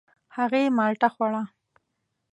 هغې مالټه خوړه.